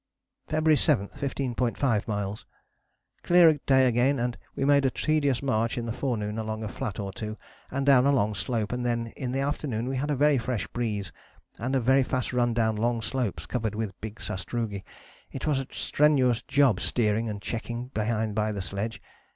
"February 7. 15.5 miles. Clear day again and we made a tedious march in the forenoon along a flat or two, and down a long slope: and then in the afternoon we had a very fresh breeze, and very fast run down long slopes covered with big sastrugi. It was a strenuous job steering and checking behind by the sledge.